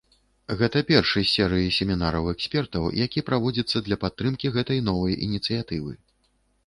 Гэта першы з серыі семінараў экспертаў, які праводзіцца для падтрымкі гэтай новай ініцыятывы.